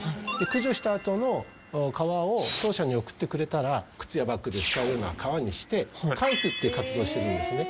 駆除したあとの皮を当社に送ってくれたら靴やバッグで使えるような革にして返すっていう活動をしてるんですね。